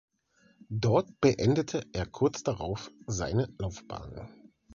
Dort beendete er kurz darauf seine Laufbahn.